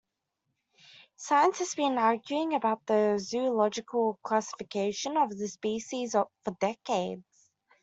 Science has been arguing about the zoological classification of the species for decades.